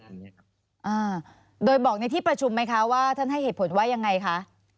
อ่าโดยบอกในที่ประชุมไหมคะว่าท่านให้เหตุผลว่ายังไงคะ